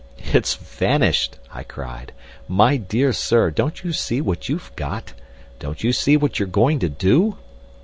"It's vanished!" I cried. "My dear sir, don't you see what you've got? Don't you see what you're going to do?"